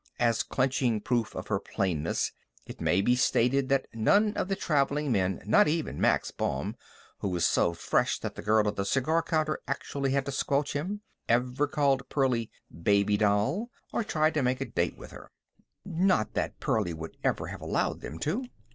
As clinching proof of her plainness it may be stated that none of the traveling men, not even Max Baum, who was so fresh that the girl at the cigar counter actually had to squelch him, ever called Pearlie "baby doll," or tried to make a date with her. Not that Pearlie would ever have allowed them to.